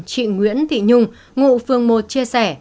chị nguyễn thị nhung ngụ phường một chia sẻ